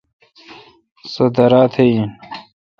سو درا تہ اہن۔